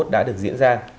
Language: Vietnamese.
đã được diễn ra